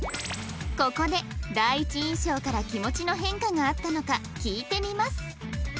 ここで第一印象から気持ちの変化があったのか聞いてみます